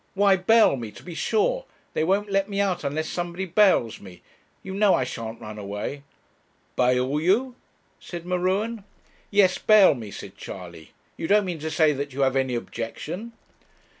Why, bail me, to be sure; they won't let me out unless somebody bails me. You know I shan't run away.' 'Bail you!' said M'Ruen. 'Yes, bail me,' said Charley. 'You don't mean to say that you have any objection?'